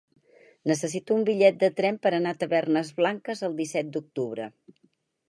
Necessito un bitllet de tren per anar a Tavernes Blanques el disset d'octubre.